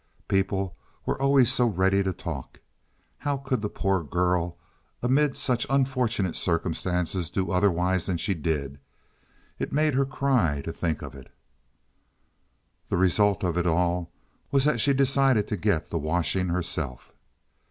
People were always so ready to talk. How could the poor girl, amid such unfortunate circumstances, do otherwise than she did. It made her cry to think of it. The result of it all was that she decided to get the washing herself.